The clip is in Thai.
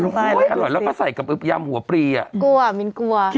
กล้วยอร่อยแล้วก็ใส่กับยำหัวปรีอ่ะกลัวมินกลัว